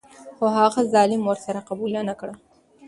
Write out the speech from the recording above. خو هغه ظلم ور سره قبوله نه کړه.